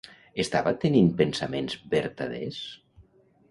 Estava tenint pensaments vertaders?